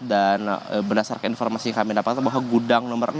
dan berdasarkan informasi yang kami dapatkan bahwa gudang nomor enam